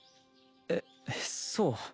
えっそう？